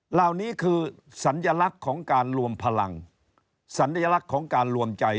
เหล่านี้คือสัญลักษณ์ของการรวมพลังสัญลักษณ์ของการรวมใจ